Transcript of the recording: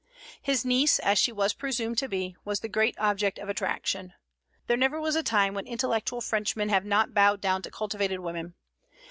His niece, as she was presumed to be, was the great object of attraction. There never was a time when intellectual Frenchmen have not bowed down to cultivated women.